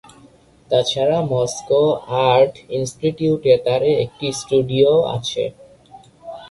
তাছাড়া Moscow art ইন্সটিটিউটে তার একটি স্টুডিও আছে।